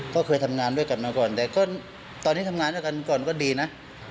ก็เคยทำงานด้วยกันมาก่อนแต่ก็ตอนนี้ทำงานด้วยกันก่อนก็ดีนะ